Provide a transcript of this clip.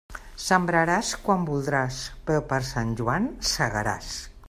Sembraràs quan voldràs, però per Sant Joan segaràs.